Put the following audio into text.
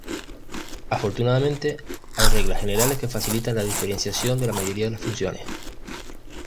Afortunadamente, hay reglas generales que facilitan la diferenciación de la mayoría de las funciones.